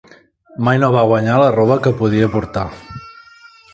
Mai no va guanyar la roba que podia portar.